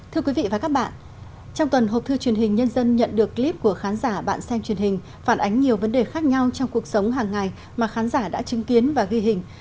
thưa quý vị và các bạn trong tuần hộp thư truyền hình nhân dân nhận được clip của khán giả bạn xem truyền hình phản ánh nhiều vấn đề khác nhau trong cuộc sống hàng ngày mà khán giả đã chứng kiến và ghi hình